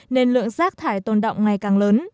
nên lượng rác thải tồn động ngày càng lớn